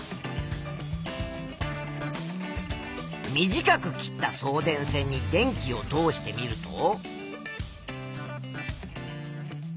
短く切った送電線に電気を通してみると。